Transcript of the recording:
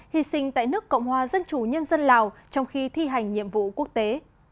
hy sinh tại nước cộng hòa dân chủ nhân dân lào trong khi thi hành nhiệm vụ quốc tế